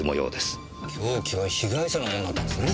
凶器は被害者の物だったんですね。